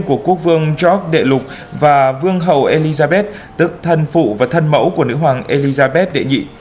của quốc vương jorg đệ lục và vương hầu elizabeth tức thân phụ và thân mẫu của nữ hoàng elizabeth đệ nhị